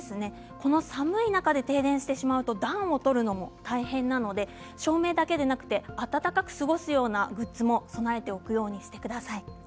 この寒い中で停電してしまうと暖を取るのも大変なので照明だけでなく暖かく過ごすようなグッズも備えておくようにしてください。